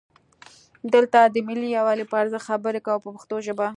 دلته د ملي یووالي په ارزښت خبرې کوو په پښتو ژبه.